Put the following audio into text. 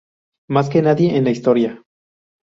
Más que nadie en la historia.